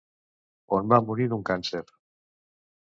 On va morir d'un càncer.